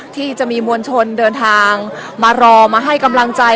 ที่จะมีมวลชนเดินทางมารอมาให้กำลังใจ